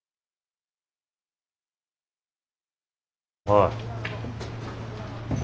おい。